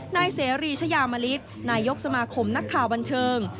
นายเสรีชายามลิศนายกสมาคมนักข่าวบันเทิง